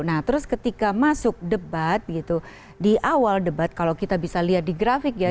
nah terus ketika masuk debat gitu di awal debat kalau kita bisa lihat di grafik ya